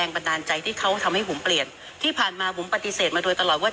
บันดาลใจที่เขาทำให้ผมเปลี่ยนที่ผ่านมาผมปฏิเสธมาโดยตลอดว่า